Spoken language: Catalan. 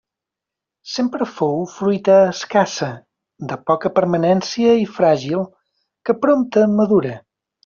Sempre fou fruita escassa, de poca permanència i fràgil, que prompte madura.